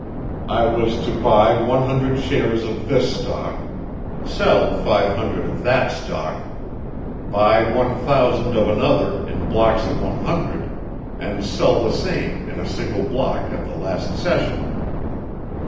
I was to buy one hundred shares of this stock, sell five hundred of that stock, buy one thousand of another in blocks of one hundred, and sell the same in a single block at the last session.